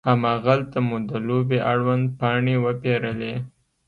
هماغلته مو د لوبې اړوند پاڼې وپیرلې.